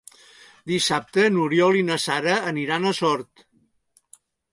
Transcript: Dissabte n'Oriol i na Sara aniran a Sort.